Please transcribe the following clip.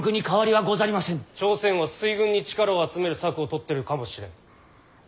朝鮮は水軍に力を集める策を取ってるかもしれん。